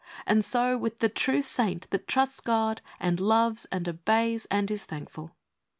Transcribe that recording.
And so with the true saint that trusts God and loves and obeys and is thankful.